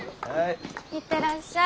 行ってらっしゃい。